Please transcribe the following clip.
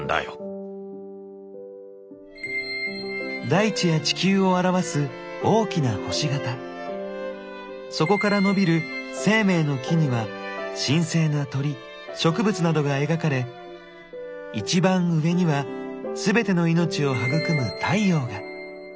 大地や地球を表す大きな星形そこから伸びる「生命の木」には神聖な鳥植物などが描かれ一番上には全ての命を育む太陽が。